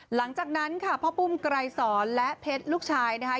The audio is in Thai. หลังจากนั้นค่ะพ่อปุ้มไกรสอนและเพชรลูกชายนะคะ